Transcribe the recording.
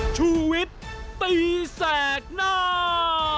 ชูเวทตีแสงหน้า